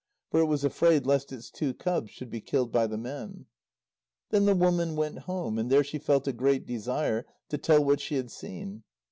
For it was afraid lest its two cubs should be killed by the men. Then the woman went home, and there she felt a great desire to tell what she had seen.